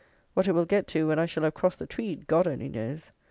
What it will get to when I shall have crossed the Tweed, God only knows.